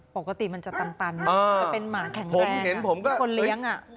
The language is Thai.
ปกติมันจะตันจะเป็นหมาแข็งแรงคนเลี้ยง